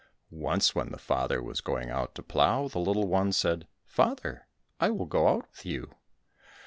Once when the father was going out to plough, the little one said, "Father, I will go out with you."